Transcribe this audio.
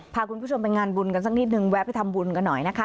พาคุณผู้ชมไปงานบุญกันสักนิดนึงแวะไปทำบุญกันหน่อยนะคะ